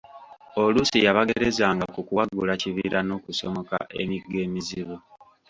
Oluusi yabagerezanga ku kuwagula kibira n'okusomoka emigga emizibu.